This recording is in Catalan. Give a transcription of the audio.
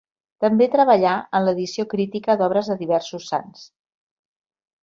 També treballà en l'edició crítica d'obres de diversos sants.